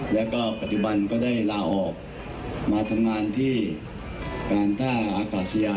แล้วก็ปัจจุบันก็ได้ลาออกมาทำงานที่การท่าอากาศยาน